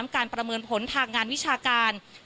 การประเมินผลทางงานวิชาการ